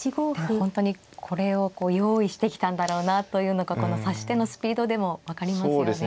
でも本当にこれをこう用意してきたんだろうなというのがこの指し手のスピードでも分かりますよね。